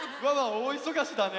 おおいそがしだね。